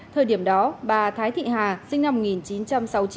thời điểm đó bà thái thị hà sinh năm một nghìn chín trăm sáu mươi chín